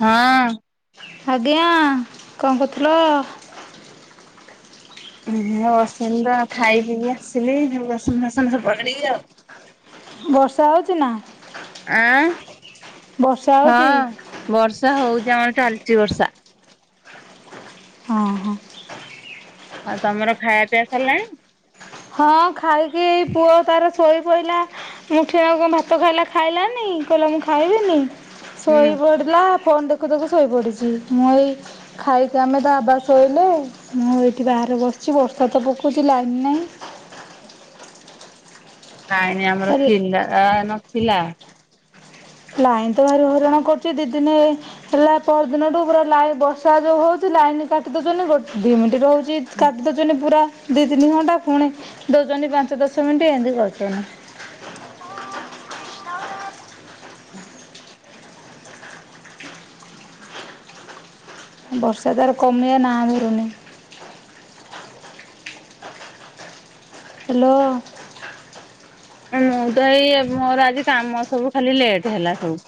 ହଁ। ଆଜ୍ଞା କଣ କରୁଥୁଲ? ହୁଁ ଉଁ ବସିନିତ ଖାଇ ପିଇକି ଆସିଲି ବାସନ ଫାସନ ସଫା କରିବି ଆଉ। ବର୍ଷା ହୋଉଚି ନା। ଆଁ ବର୍ଷା ହଉଛି? ହଁ ବର୍ଷା ହୋଉଚି ଆମର ଚାଲିଚି ବର୍ଷା। ହଁ ହଁ। ଆଉ ତମର ଖାଇବା ପିଇବା ସରିଲାଣି। ହଁ ଖାଇକି ଏଇ ପୁଅ ତାର ଶୋଇ ପଇଲା। ମୁଠେ ନାଗୁ କଣ ଭାତ ଖାଇଲା ଖାଇଲାନି କହିଲା ମୁଁ ଖାଇବିନି ହୁଁ। ଶୋଇ ପଡ ଡିଲା ଫୋନ ଦେଖୁ ଦେଖୁ ଶୋଇପଡିଚି ମୁଁ ଏଇ ଖାଇକି ଆମେ ତା ଆବା ଶୋଇଲେ ମୁଁ ଏଇଠି ବାହାରେ ବସିଚି ବର୍ଷା ତ ପକୋଉଚି ଲାଇନ୍ ନାଇଁ। ନାଇଁନି ଆମର ନାହିଁ। ଥିଲା ଆ ନଥିଲା। ଲାଇନ୍ ତ ଭାରି ହଇରାଣ କରୁଚି ଦି ଦିନି ଏଇ ହେଲା ପରଦିନଠୁ ପୁରା ଲାଇ ବର୍ଷା ଯୋଉ ହୋଉଚି ଲାଇନ୍ କାଟି ଦୋଉଚନ୍ତି ଗୋ ଦି ମିନଟି ରହୁ ନିତି କାଟି ଦୋଉଚନ୍ତି ପୁରା ଦି ତିନି ଘଣ୍ଟା ପୁଣି ଦୋଉଚନ୍ତି ପାଞ୍ଚ ଦଶ ମିନଟି ଏମତି କରୁଚନ୍ତି। ହୁଁ [inaudible] ବର୍ଷା ତାର କମିବା ନାଁ ଧରୁନି। ହେଲୋ। ମୁଁ ତ ଏଇ, ମୋର ଆଜି କାମ ସବୁ ଖାଲି ଲେଟ୍ ହେଲା ସବୁ।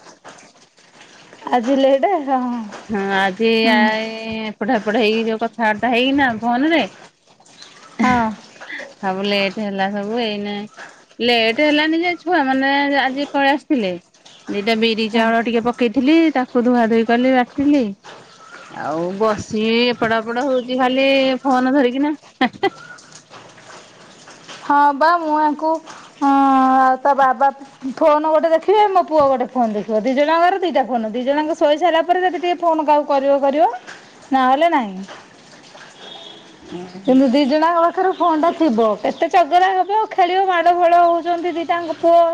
ଆଜି ଲେଟ୍ ହଁ ହଁ। ହଁ ଆଜି ଏ ଆ ଏଇ ଏପଟେ ହେପଟେ ହେଇ କି, ଯୋଉ କଥାବାର୍ତ୍ତା ହେଇକିନା ଫୋନ ରେ ହଁ। ସବୁ ଲେଟ୍ ହେଲା ସବୁ, ଏଇନା ଲେଟ୍ ହେଲାନି ଯେ, ଛୁଆ ମାନେ ଆଜି ପଳେଇ ଆସିଥିଲେ। ଦିଟା ବିରି ହଁ ଚାଉଳ ଟିକେ ପକେଇଥିଲି, ତାକୁ ଧୁଆ ଧୁଇ କଲି ଵାଟିଲି। ଆଉ ବସିଚି ଏପଟ ଏପଟ ହଉଚି ଖାଲି ଫୋନ ଧରିକିନା, ହେଁ ହେଁ। ହଁ ବା, ମୁଁ ୟାଙ୍କୁ ଅଁ ଅଁ ତା ବାବା ଫୋନ୍ ଗୋଟେ ଦେଖିବେ ମୋ ପୁଅ ଗୋଟେ ଫୋନ୍ ଦେଖିବ, ଦି ଜଣଙ୍କର ଦିଟା ଫୋନ୍, ଦି ଜଣଆଙ୍କ ଶୋଇ ସାଇଲା ପରେ ଯଦି ଟିକେ ଫୋନ୍ କାହାକୁ କରିବ କରିବ, ନ ହେଲେ ନାଇଁ। ଉଁ ହୁଁ। ଦିଜଣ ଆଙ୍କ ପାଖେରେ ଫୋନ୍ ଟା ଥିବ, କେତେ ଚଗରା ହେବ ଖେଳିବ ମାଡ଼ ଗୋଳ ହଉଚନ୍ତି ଦିଟାଙ୍କ ପୁଅ।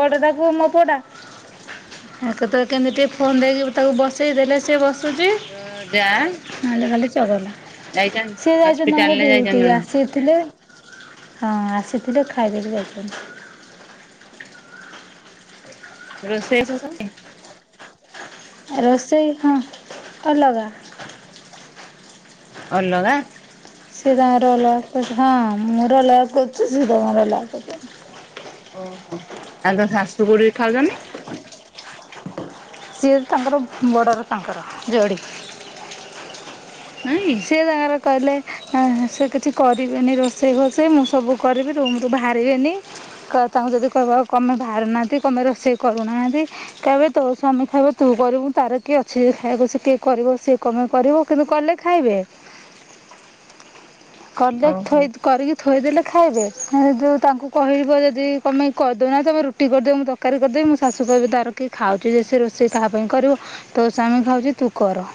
ବଡଦା ପୁଅ, ମୋ ପୁଅ ଟା ଏ କେତେବେଳେ କେମିତି ଟିକେ ଫୋନ୍ ଦେଇକି ତାକୁ ବସେଇ ଦେଲେ ସିଏ ବସୁଚି। ଉଁ ଯାଆ? ନ ହେଲେ ଖାଲି ଚଗଲା। ସିଏ ଯାଇଚନ୍ତି ତାଙ୍କର ହସ୍ପିଟାଲରେ ଯାଇଛନ୍ତି ଡୀଉଟି ଜଣେ ଆସିଥିଲେ, ହଁ ଆସିଥିଲେ ଖାଇଦେଇକି ଯାଇଚନ୍ତି। ରୋଷେଇ ବାସ ସବୁ? ରୋଷେଇ ହଁ, ଅଲଗା। ଅଲଗା? ସିଏ ତାଙ୍କର ଅଲଗା ଖାଉଚ୍ ହଁ ମୋର ଅଲଗା ଖାଉଚି, ସିଏ ତାଙ୍କର ଅଲଗା ଖାଉଚନ୍ତି। ଓହୋ, ଆଉ ତୋ ଶାଶୁବୁଡି ଖାଉଚନି? ସିଏ ତାଙ୍କର ବଡ଼ର ତାଙ୍କର ଯୋଡ଼ି। ହଁ କି? ସିଏ ତାଙ୍କର କଇଲେ, ଏଁ ହେଁ ସିଏ କିଛି କରିବେନି ରୋଷେଇ ଫୋଷେଇ, ମୁଁ ସବୁ କରିବି। ରୁମରୁ ବାହାରିବେନି, କ ତାଙ୍କୁ ଯଦି କହିବ କ ପାଇଁ ବାହାରୁ ନାହାନ୍ତି, କ ମାଇ ରୋଷେଇ କରୁନାହାନ୍ତି। କଇବେ ତୋ ସ୍ୱାମୀ ଖାଇବ ତୁ କରିବୁ, ତାର କିଏ ଅଛି ଯେ ଖାଇବାକୁ ସେ କିଏ କରିବ, ସିଏ କ ପାଇଁ କରିବ। କିନ୍ତୁ କଲେ ଖାଇବେ। କଲେ ଓହୋ ଥୋଇଦ୍ କରିକି ଥୋଇଦେଲେ ଖାଇବେ, ମୁଁ ଯୋଉ ତାଙ୍କୁ କହିବ ଯଦି କ ପାଇଁ କରିଦବା, ତମେ ରୁଟି କରଦିଅ, ମୁଁ ତକ୍ ତର୍କା ରି କରିଦେବି, ମୋ ଶାଶୁ କହିବେ ତାର କିଏ ଖାଉଚି ଯେ, ସେ ରୋଷେଇ କାହା ପାଇଁ କରିବ। ତୋ ସ୍ବାମୀ ଖାଉଚି, ତୁ କର।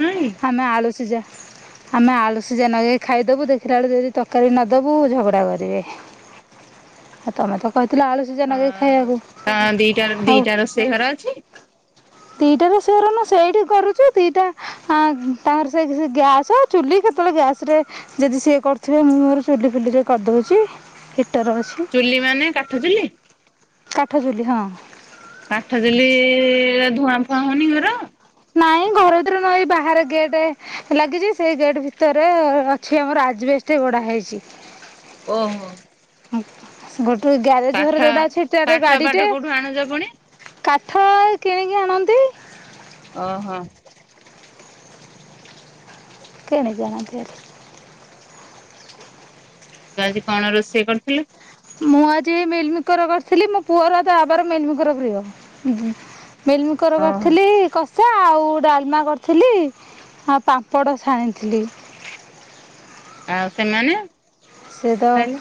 ନାଇଁ କି? ଆମେ ଆଳୁସିଜା, ଆମେ ଆଳୁ ସିଜା ନଗେଇ ଖାଇଦବୁ, ଦେଖିଲା ବେଳୁ ଯଦି ତର୍କାରୀ ନ ଦେବୁ ଝଗଡ଼ା କରିବେ। ଆ ତମେ ତ କହିଥିଲେ ଆଳୁ ସିଝା ହଁ, ନଗେଇ ଖାଇବାକୁ ତମ ଦିଟା ର, ଦିଟା ରୋଷେଇ ଘର ଅଛି? ଦିଟା ର ରୋଷେଇ ଘର ନୁଅ, ସେଇଠି କରୁଚୁ, ଦିଟା ହଁ, ତାଙ୍କର ସେଇ ଗ୍ୟାସ୍ ଚୁଲି, କେତେବେଳେ ଗ୍ୟାସ୍ ରେ ଯଦି ସିଏ କରୁଥିବେ, ମୁଁ ମୋର ଚୁଲି ଫୁଲି ରେ କରିଦଉଚି, ହିଟର ଅଛି। ଚୁଲି ମାନେ କାଠ ଚୁଲି? କାଠ ଚୁଲି ହଁ କାଠ ଚୂଲି ରେ ଧୂଆଁ ଫୁଆଁ ହଉନି ଘର? ନାଇଁ ଘର ଭିତରେ ନୁଅ ଏଇ ବାହାରେ ଗେଟ୍ ଲାଗିଚି, ସେଇ ଗେଟ୍ ଭିତରେ ଅଛି ଆମର ଆଜ୍ ବେଷ୍ଟ ଟେ ଗଡା ହେଇଛି। ଓ ହୋ। ଗୋଟେ ଗ୍ୟାରେଜ କାଠ ଘରେ ଯୋଉଟା ଅଛି ଇଟା କାଠ ପାଠ ଗାଡିଟେ କୋଉଠୁ ଆଣୁଛ ପୁଣି? କାଠ ଏଇ କିଣିକି ଆଣନ୍ତି। ଓହୋ। କିଣି କି ଆଣନ୍ତି ଆଉ। ତୁ ଆଜି କଣ ରୋଷେଇ କରିୁଥିଲେ? ମୁଁ ଆଜି ମିଲମିକର କରିଥିଲି ମୋ ପୁଅର ତା ବାବାର ମିଲମିକର ପ୍ରିୟ। ମିଲମିକର ଓହୋ କରିଥିଲି‌। [inaudible] ସେ ଆଉ ଡାଲମା କରିଥିଲି ଆଉ ପାମ୍ପଡ଼ ଛାଣିଥିଲି। ଆଉ ସେମାନେ? ସେ ତ ଖାଇଲେ?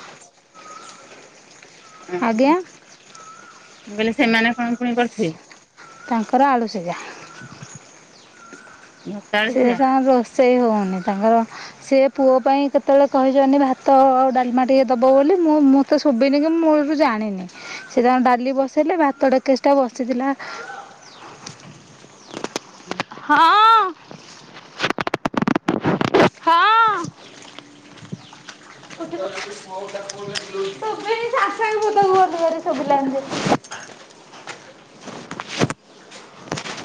ଉହୁଁ ଆଜ୍ଞା ମୁଁ କଇଲି ସେମାନେ କଣ ପୁଣି କରିଥିବେ? ତାଙ୍କର ଆଳୁ ସିଜା। ଭାତ ଆଳୁ ସେ ସିଝା ତା ରୋଷେଇ ହଉନି ତାଙ୍କର ସେ ପୁଅ ପାଇଁ କେତେବେଳେ କହିଛନ୍ତି ଭାତ, ଡାଲମା ଟିକେ ଦବ ବୋଲି ମୁଁଁ, ମୁଁ ତ ଶୁଭିନି କି ମୁଁ ମୂଳରୁ ଜାଣିନି ସେ ତାଙ୍କ ଡାଲି ବସେଇଲେ ଭାତ ଡେକେଚିଟା ବସିଥିଲା ହୁଁ ହଁ। ହଁ। ଶୁବିନି ସାଙ୍ଗେ ସାଙ୍ଗେ [unintelligible] ଶୁବିଲାନି ଯେ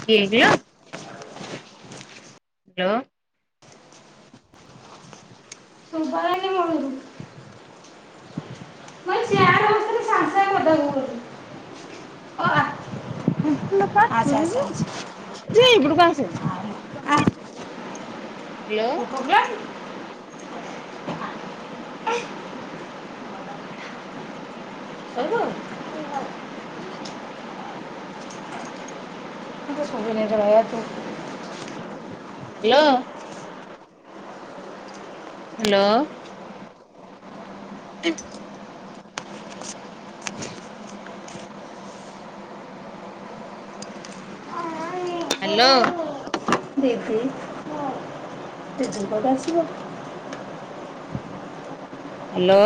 କିଏ କିଲୋ? ହ୍ୟଲୋ। ଶୁଭା ଯାଇନି ମମି କୁ ମୁଁ ଚେୟାରେ ବସିଥିଲି ସାଙ୍ଗେ ସାଙ୍ଗେ ପଦା କୁ ଗଲି ଓ ଆ ଏପଟ କୁ ଆସେ। Hello [inaudible] [inaudible] [unintelligible] [unintelligible] hello. ହ୍ୟାଲୋ। [inaudible] [inaudible] ହ୍ୟାଲୋ। ଦିଦି ମୋ ଦିଦି କଉଠୁଆସିବ ହ୍ୟାଲୋ।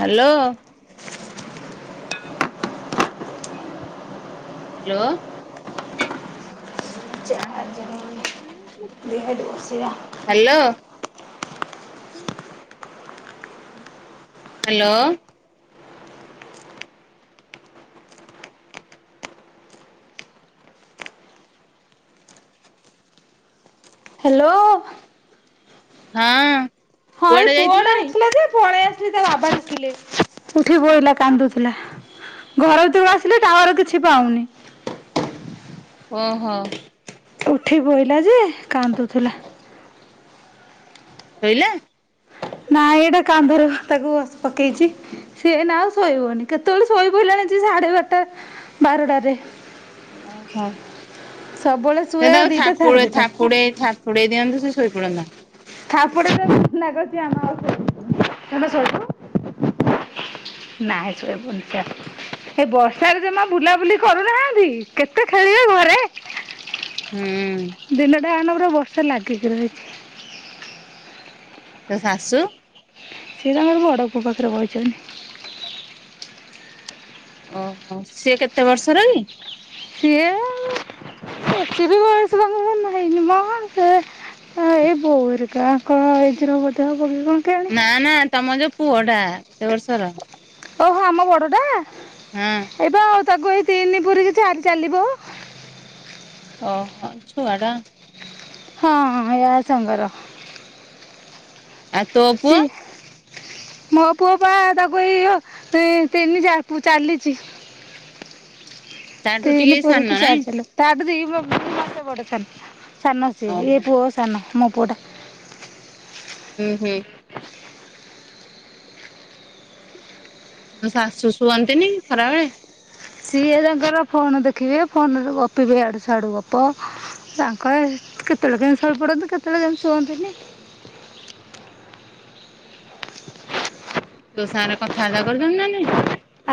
ହ୍ୟାଲୋ। ହ୍ୟାଲୋ। ନାଁ କଟ ସିଆ। ହ୍ୟାଲୋ। ହ୍ୟାଲୋ। ହ୍ୟାଲୋ। ହଁ। ହଁ ଏଇ କୁଆଡେ ପୁଅ ଯାଇଥିଲୁ ଟା ଭାରି? ଉଠିଥିଲା ଯେ ପଳେଇ ଆସିଲି ତା ବାବା ଦେଖିଲେ ଉଠି ପଇଲା କାନ୍ଦୁଥିଲା। ଘର ଭିତକୁ ଆସିଲେ ଟାୱାର କିଛି ପାଉନି। ହୁଁ ହଁ ଉଠି ପଇଲା ଯେ କାନ୍ଦୁଥୁଲା। ଶୋଇଲା? ନାାଇଁ ଏଇଟା କାନ୍ଧରେ ତାକୁ ବସ ପକେଇଚି। ସିଏ ଏଇନା ଆଉ ଶୋଇବନି। କେତୋଳୁ ଶୋଇପଇଲାଣି ଯେ ସାଢେ ବାରଟା ବାରଟାରେ। ଓହୋ ସବୁବେଳେ ଶୁଏ ସେତାକୁ ଦିଟା ସାଢ଼େ ଥାପୁଡ଼େଇ ଦିଟା ଥାପୁଡ଼େଇ ଥାପ ପୁଉଡ଼େଇ ଦିଅନ୍ତୁ ସେ ଶୋଇ ପଡ଼ନ୍ତା। ପଡେ ଲାଗଛି ଆମ ଆଉ ତେ ଶଛୁ। ନାଇଁ ଶୋଇପଡଚ। ଏଇ ବର୍ଷାରେ ଜମା ବୁଲାବୁଲି କରୁନାହାନ୍ତି କେତେ ଖେଳିବେ ଘରେ। ହୁଁ ଦିନଟା ଆନ ପୁରା ବର୍ଷା ଲାଗିକି ରହିଛି। ତୋ ଶାଶୁ? ସିଏ ତାଙ୍କର ବଡ଼ ପୁଅ ପାଖରେ ବଇଚନ୍ତି। ଓହୋ ସିଏ କେତେ ବର୍ଷର କି? ସିଏ ଅତେବି ବୟସ୍କ ନୁହ ହେଇନି ମଁ। ସେ ଆ ଏଇ ବୋଉର ହେରିକାଙ୍କ ଏଜର ବୋଧେ କି କଣ କେୟାଣି? ନା ନା ତମ ଯୋଉ ପୁଅ ଟା କେତେ ବର୍ଷର? ଓହୋ ଆମ ବଡଟା? ହଁ ଏଇ ପା ଆଉ ତାକୁ ଏଇ ତିନି ପୁରିକି ଚାରି ଚାଲିବ। ଅହ ଛୁଆଡ଼ା। ହଁ ୟା ସାଙ୍ଗର। ଆ ତୋ ସିି ପୁଅ? ମୋ ପୁଅ ପା ତାକୁ ଏଇ ତିନି ଚାର ପୁ ଚାଲିଚି। ତାଠୁ ଟିକେ ତିନି ସାନ ପୁରିକି ନାଇଁ ଚାରି ଚଳିବ। ତାପରେ କି ମାସେ ବଡ ସାନ। ସାନ ସିଏ ଓହୋ ଏଇ ପୁଅ ସାନ ମୋପୁଅ ଟା। ହୁଁ ହୁଁ ତୋ ଶାଶୁ ଶୁଅନ୍ତିନି ଖରାବେଳେ? ସିଏ ତାଙ୍କର ଫୋନ ଦେଖିବେ ଫୋନରେ ଗପିବେ ୟାଡୁ ସ ଶ୍ୟାଡୁ ଗପ। ତାଙ୍କ ଏ କେତୋଳେ କେମିତି ସୋଇପଡନ୍ତି କେତୋଳେ କେମିତି ଶୁଅନ୍ତିନି। ତୋ ସାଙ୍ଗରେ କଥାବାର୍ତ୍ତା କରୁଚନ୍ତି ନା ନାଇଁ?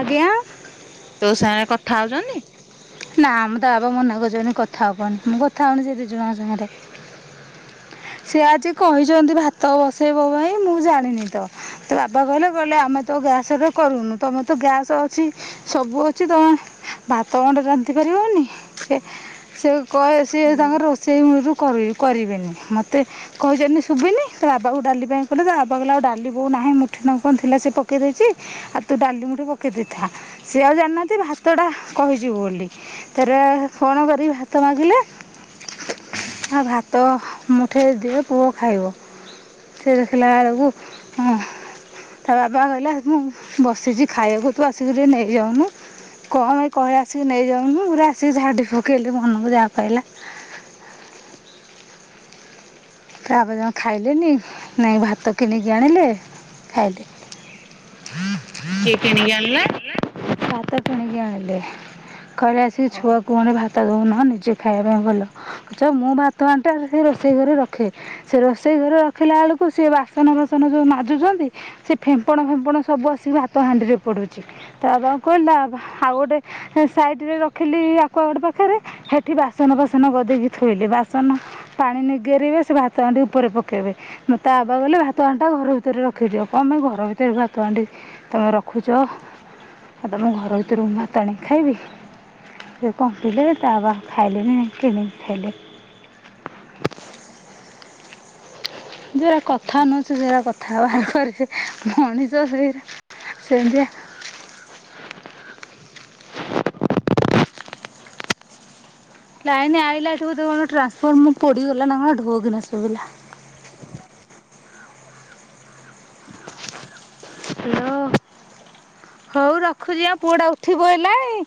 ଆଜ୍ଞା ତୋ ସାଙ୍ଗେ କଥା ହୋଉଚନ୍ତି? ନାଁମ ତା ଵାବା ମନା କରଚନ୍ତି କଥା ହବନି। ମୁଁ କଥା ହୋଉନି ସେ ଦି ଜଣଆଙ୍କ ସାଙ୍ଗରେ। ସିଏ ଆଜି କହିଚନ୍ତି ଭାତ ବସେଇବ ପାଇଁ। ମୁଁ ଜାଣିନି ତ। ତୋ ବାପା କଇଲେ କଇଲେ ଆମେ ତ ଗ୍ୟାସରେ କରୁନୁ। ତମେ ତ ଗ୍ୟାସ ଅଛି ସବୁ ଅଛି ତମେ ଭାତ ଗଣ୍ଡେ ରାନ୍ଧି ପାରିବନି। ସେ ସେ କ ସିଏ ତାଙ୍କର ରୋଷେଇ ମୁଳୁରୁ କରି କରିବେନି। ମତେ କହିଯାନନି ସୁଵିନି ତା ବାପା କୁ ଡାଲି ପାଇଁ କଇଲା ତା ବାପା କଇଲା ଡାଲି ବୋଉନାଇଁ। ମୁଠେ ନାଗୁ କଣ ଥିଲା ସିଏ ପକେଇ ଦେଇଚି। ଆଉ ତୁ ଡାଲି ମୁଠେ ପକେଇ ଦେଇଥାଆ। ସେ ଆଉ ଜାଣନାହାନ୍ତି ଭାତ ଟା କହିଚି ବୋଲି। ଥରେ ଫୋନ କରି ଭାତ ମାଗିଲେ ଆଉ ଭାତ ମୁ ଠେ ଦିଅ ପୁଅ ଖାଇବ। ସେ ଦେଖିଲା ଏଳୁକୁ ଉହୁଁ। ତା ବାପା କଇଲା ମୁଁ ବସିଚି ଖାଇବାକୁ ତୁ ଆସିକି ଟିକେ ନେଇଯାଉନୁ। କଣ ଏ କହିଲେ ଆସିକି ନେଇଯାଉନୁ। ପୁରା ଆସିକି ଝାଡ଼ି ପକେଇଲେ ମନକୁ ଯାହା ପାଇଲା। ତାପରେ ଜମା ଖାଇଲେନି। ନେଇ ଭାତ କିଣିକି ଆଣିଲେ ଖାଇଲେ। କିଏ କିଣିକି ଆଣିଲା। ଭାତ କିଣିକି ଆଣିଲେକହିଲେ ଆସିକି ଛୁଆକୁ ଗଣ୍ଡେ ଭାତ। ଭାତ ଦେଉନ ନିଜେ ଖାଇବା ପାଇଁ ଭଲ ରଖିଛ। ମୁଁ ଭାତ ହାଣ୍ଡିଟା ଆସିକି ରୋଷେଇ ଘରେ ରଖେ। ସେ ରୋଷେଇ ଘରେ ରଖିଲା ବେଳକୁ ସେ ବାସନ ଫାସନ ଯୋଉ ମାଜୁଛନ୍ତି। ସେ ଫେମ୍ପଣ ଫେମ୍ପଣ ସବୁ ଆସିକି ଭାତ ହାଣ୍ଡି ରେ ପଡୁଛି। ତା ବାବାଙ୍କୁ କହିଲି ତା ବାବା ଆଉ ଗୋଟେ। ସେ ସାଇଡରେ ରଖିଲି ଆକୁଆଗାଡ଼ ପାଖରେ। ସେଠି ବାସନ ଫାସନ ଗଦେଇକି ଥୋଇଲେ ବାସନ ପାଣି ନିଗେରିବେ ସେ ବାସନ। ଭାତ ହାଣ୍ଡି ଉପରେ ପକେଇବେ। ତା ବାପା କହିଲେ ଭାତ ହାଣ୍ଡି ଟା ଘର ଭିତରେ ରଖିଦିଅ। କଣ ପାଇଁ ଘର ଭିତରେ ଭାତ ହାଣ୍ଡି କଣ ପାଇଁ ଘର ଭିତରେ ତମେ ରଖୁଛ। ଆଉ ତମ ଘର ଭିତରୁୁ ମୁଁ ଭାତ ଆଣିକି ଖାଇବି। କଣ କହିଲେ ତା ବାବା ଖାଇଲେନି। ଯାଇକି କିଣିକି ଖାଇଲେ। ଯେଉଁଟା କଥା ନୁହେଁ ସେଟା କଥା ବାହାର କରିବେ ମଣିଷ ସେଇ ସେମିତିଆ। ଲାଇନ ଆଇଲାଠୁ କଣ ଟ୍ରାନ୍ସଫର୍ମ ପୋଡିଗଲା ନା କଣ ଢ଼ୋ କିନା ଶୁଭିଲା। ହ୍ୟାଲୋ। ହଉ ରଖୁଛି ହାଁ। ପୁଅଟା ଉଠି ପଡ଼ିଲାନି।